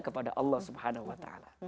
kepada allah swt